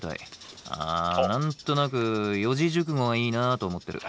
あ何となく四字熟語がいいなあと思ってる。